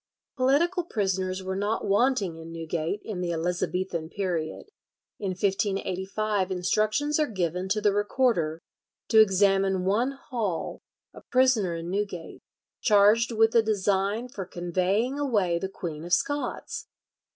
Political prisoners were not wanting in Newgate in the Elizabethan period. In 1585 instructions are given to the recorder to examine one Hall, a prisoner in Newgate, charged with a design for conveying away the Queen of Scots.